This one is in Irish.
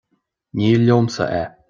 ní liomsa é